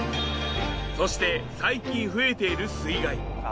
そして最近増えている水害。